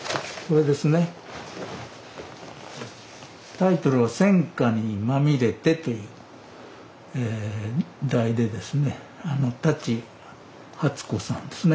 タイトルは「戦禍にまみれて」という題でですね舘初子さんですね。